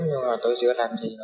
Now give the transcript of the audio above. nhưng mà tôi chưa làm gì nữa